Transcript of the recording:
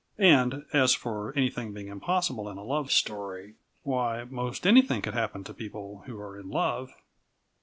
And as for anything being impossible in a love story. Why most anything could happen to people who are in love.